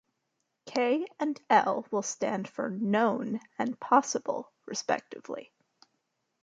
K and L will stand for "known" and "possible", respectively.